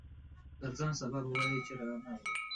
درځم، سبا به وایې چې رانغی.